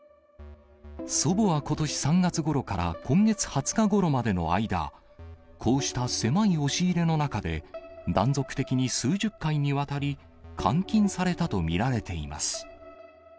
祖母はことし３月ごろから今月２０日ごろまでの間、こうした狭い押し入れの中で、断続的に数十回にわたり、監禁されたと見られています。